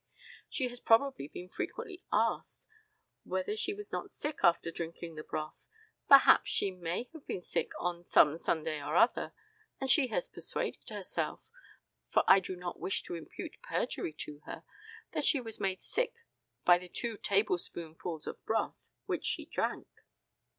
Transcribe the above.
She has probably been frequently asked whether she was not sick after drinking the broth; perhaps she may have been sick on some Sunday or another, and she has persuaded herself for I do not wish to impute perjury to her that she was made sick by the two table spoonfuls of broth which she drank.